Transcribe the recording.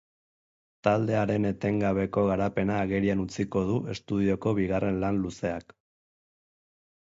Taldearen etengabeko garapena agerian utziko du estudioko bigarren lan luzeak.